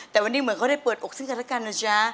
แต่วันนี้เหมือนเขาได้เปิดอกซึ่งกันแล้วกันนะจ๊ะ